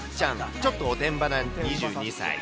ちょっとおてんばな２２歳。